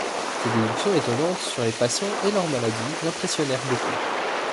Ses déductions étonnantes sur les patients et leurs maladies l'impressionnèrent beaucoup.